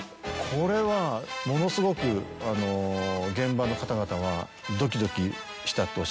これはものすごく現場の方々はドキドキしたっておっしゃってましたね。